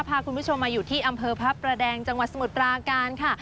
พาคุณผู้ชมมาอยู่ที่อำเภอพระประแดงจังหวัดสมุทรปราการค่ะ